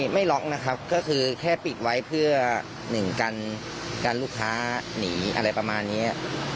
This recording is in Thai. ไม่ล็อกนะครับก็คือแค่ปิดไว้เพื่อหนึ่งกันลูกค้าหนีอะไรประมาณนี้